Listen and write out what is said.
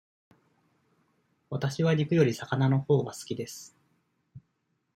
わたしは肉より魚のほうが好きです。